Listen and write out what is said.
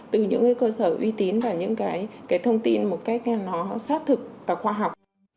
từ những cơ sở uy tín và những thông tin một cách sát thực và khoa học